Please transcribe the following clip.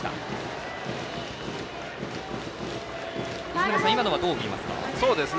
泉田さん、今のはどう見ますか？